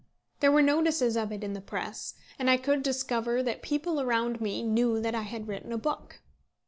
There were notices of it in the press, and I could discover that people around me knew that I had written a book.